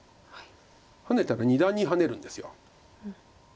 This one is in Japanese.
ハネたら二段にハネるんです。